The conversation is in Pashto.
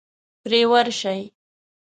پرې ورشئ.